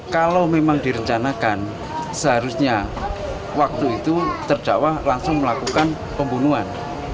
kalau memang direncanakan seharusnya waktu itu terdakwa langsung melakukan pembunuhan